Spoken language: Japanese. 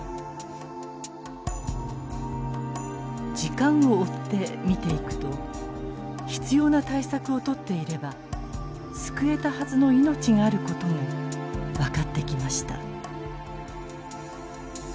時間を追って見ていくと必要な対策をとっていれば救えたはずの命がある事も分かってきました。